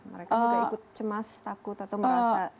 mereka juga ikut cemas takut atau merasa